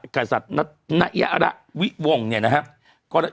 กษัตริย์นัยระวิวงเนี่ยนะฮะ